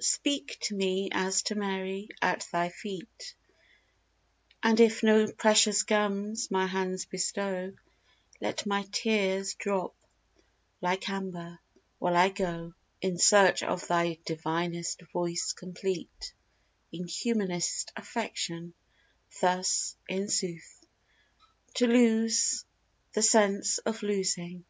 Speak to me as to Mary at Thy feet; — And if no precious gums my hands bestow, Let my tears drop like amber, while I go In search of Thy divinest Voice complete In humanest affection — thus, in sooth, To lose the sense ol losing!